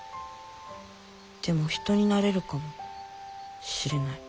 でも人になれるかもしれない。